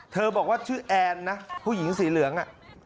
บอกว่าชื่อแอนนะผู้หญิงสีเหลือง